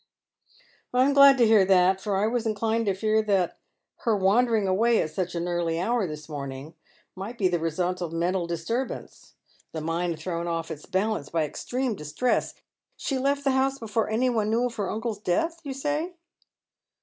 " I am glad to hear that ; for I was inclined to fear that her wandering away at such an early hour this morning might be the result of mental disturbance — the mind thrown off its balance by extreme distress. She left the house before any one knew of her uncle's death, you say